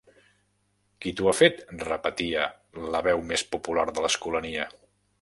Qui t'ho ha fet? —repetia la veu més popular de l'Escolania.